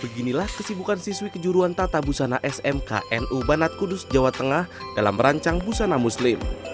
beginilah kesibukan siswi kejuruan tata busana smknu banat kudus jawa tengah dalam merancang busana muslim